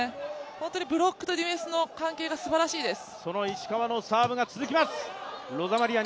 本当にブロックとディフェンスの関係がすばらしいです。